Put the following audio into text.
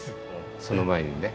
その前にね